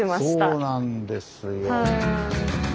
そうなんですよ。